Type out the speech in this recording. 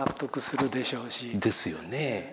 ですよね。